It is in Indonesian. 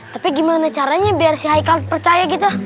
tapi gimana caranya biar si haikal percaya gitu